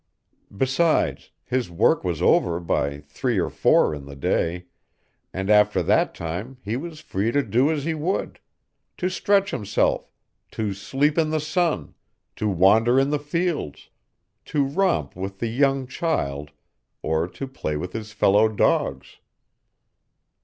Besides, his work was over by three or four in the day, and after that time he was free to do as he would to stretch himself, to sleep in the sun, to wander in the fields, to romp with the young child, or to play with his fellow dogs.